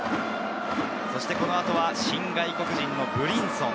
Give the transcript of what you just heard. この後は新外国人のブリンソン。